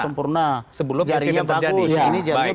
sebelum kekisian terjadi